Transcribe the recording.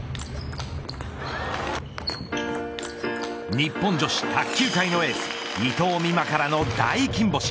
日本女子卓球界のエース伊藤美誠からの大金星